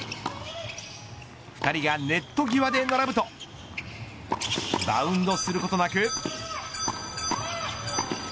２人がネット際で並ぶとバウンドすることなく。